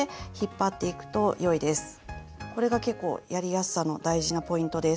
これが結構やりやすさの大事なポイントです。